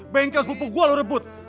banknya bupuk gua lu rebut